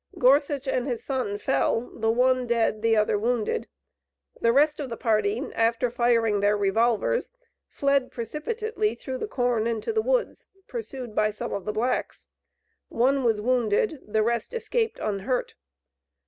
Gorsuch and his son fell, the one dead the other wounded. The rest of the party after firing their revolvers, fled precipitately through the corn and to the woods, pursued by some of the blacks. One was wounded, the rest escaped unhurt.